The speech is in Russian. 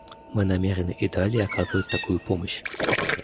Мы намерены и далее оказывать такую помощь.